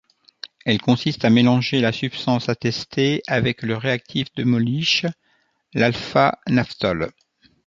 Elle consiste à mélanger la substance à tester avec le réactif de Molish, l’α-naphtol.